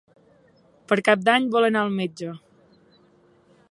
Per Cap d'Any vol anar al metge.